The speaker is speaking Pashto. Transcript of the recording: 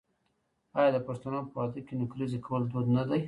آیا د پښتنو په واده کې نکریزې کول دود نه دی؟